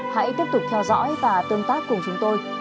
hãy tiếp tục theo dõi và tương tác cùng chúng tôi